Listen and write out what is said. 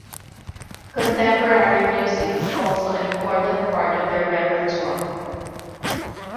Contemporary music is also an important part of their repertoire.